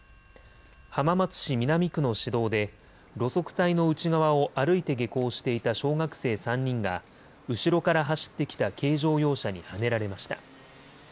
浜松市南区の市道で路側帯の内側を歩いて下校していた小学生３人が後ろから走ってきた軽乗用車にはねられました。